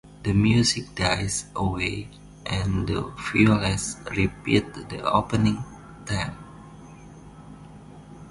The music dies away and the violas repeat the opening theme.